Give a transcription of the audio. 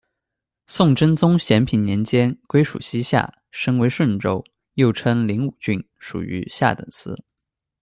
宋真宗咸平年间，归属西夏，升为顺州，又称灵武郡，属于下等司。